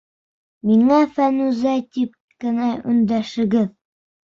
Миңә Фәнүзә тип кенә өндәшегеҙ.